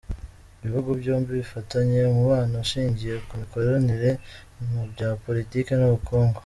Ibihugu byombi bifitanye umubano ushingiye ku mikoranire mu bya politiki n’ubukungu.